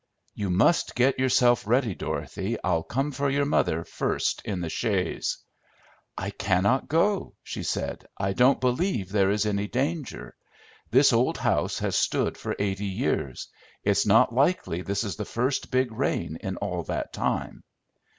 "You must get yourself ready, Dorothy. I'll come for your mother first in the chaise." "I cannot go," she said. "I don't believe there is any danger. This old house has stood for eighty years; it's not likely this is the first big rain in all that time."